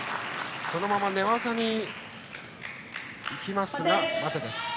そのまま寝技に行きましたが待てです。